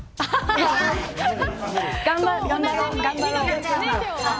頑張ろう。